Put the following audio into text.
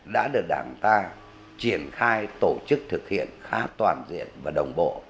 đã được đảng ta triển khai tổ chức thực hiện khá toàn diện và đồng bộ